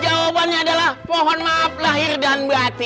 jawabannya adalah mohon maaf lahir dan batin hahaha